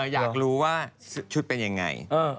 อยากรู้ว่าชุดเป็นยังไง